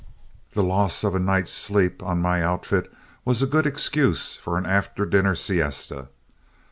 The loss of a night's sleep on my outfit was a good excuse for an after dinner siesta.